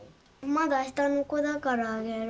まだ下の子だからあげる。